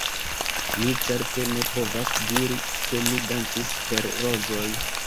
Mi certe ne povas diri, ke mi dancis super rozoj.